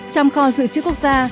chăm kho dự trữ quốc gia